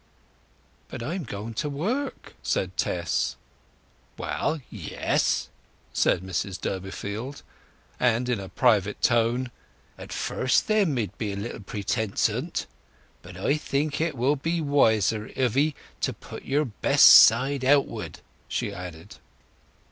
"But I am going to work!" said Tess. "Well, yes," said Mrs Durbeyfield; and in a private tone, "at first there mid be a little pretence o't.... But I think it will be wiser of 'ee to put your best side outward," she added.